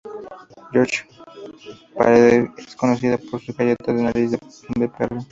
Georgetown Parade es conocida por sus galletas de nariz de perro.